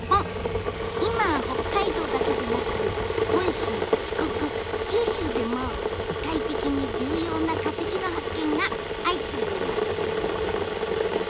今北海道だけでなく本州四国九州でも世界的に重要な化石の発見が相次いでいます。